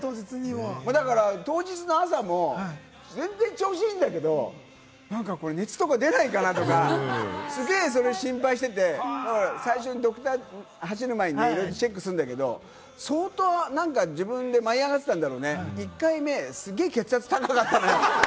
当日の朝も全然調子いいんだけれども、なんかこれ、熱とか出ないかな？とか、すげぇそれ心配してて、最初に走る前にチェックするんだけれども、相当自分で舞い上がってたんだろうね、１回目、すげぇ血圧高かったのよ。